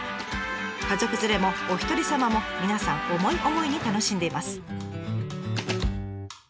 家族連れもおひとりさまも皆さん思い思いに楽しんでいます。